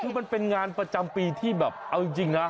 คือมันเป็นงานประจำปีที่แบบเอาจริงนะ